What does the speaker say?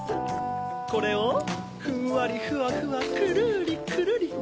これをふんわりふわふわくるりくるり。